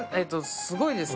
すごいです。